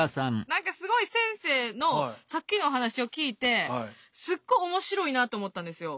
何かすごい先生のさっきのお話を聞いてすっごい面白いなと思ったんですよ。